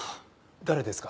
誰ですか？